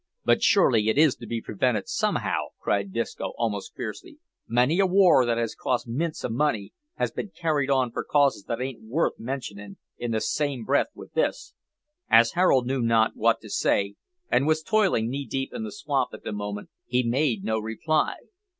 "But surely it is to be prevented somehow," cried Disco, almost fiercely. "Many a war that has cost mints o' money has been carried on for causes that ain't worth mentionin' in the same breath with this!" As Harold knew not what to say, and was toiling knee deep in the swamp at the moment he made no reply.